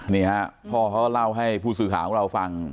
นี่ฮะพ่อเขาเล่าให้ผู้สื่อข่าวของเราฟัง